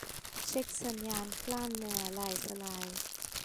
เช็กสัญญาณกล้ามเนื้อลายสลาย